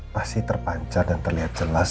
pasti terpancar dan terlihat jelas